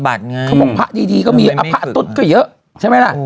พ่าปัจจุดก็เยอะ